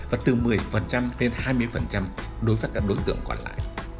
và từ một mươi lên hai mươi đối với các đối tượng còn lại